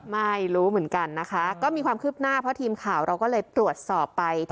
ไม่รู้เหมือนกันนะคะก็มีความคืบหน้าเพราะทีมข่าวเราก็เลยตรวจสอบไป